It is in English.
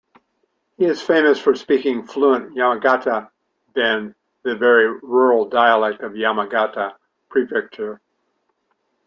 He is famous for speaking fluent Yamagata-ben, the very rural dialect of Yamagata Prefecture.